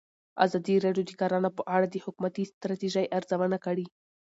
ازادي راډیو د کرهنه په اړه د حکومتي ستراتیژۍ ارزونه کړې.